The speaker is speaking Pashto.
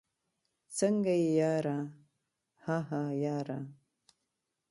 څنګه يې ياره؟ هههه ياره